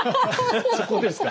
そこですか？